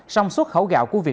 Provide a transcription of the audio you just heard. song suốt khẩu gạo của việc